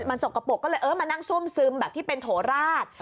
มันสกปรกก็เลยเออมานั่งซุ่มซึมแบบที่เป็นโถราช